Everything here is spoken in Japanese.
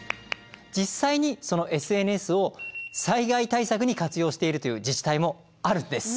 実際にそのＳＮＳを災害対策に活用しているという自治体もあるんです。